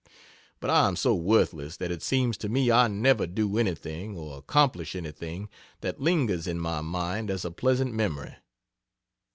But I am so worthless that it seems to me I never do anything or accomplish anything that lingers in my mind as a pleasant memory.